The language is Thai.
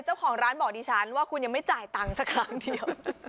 เจ้าของร้านบอกดิฉันว่าคุณยังไม่จ่ายตังค์สักครั้งเดียว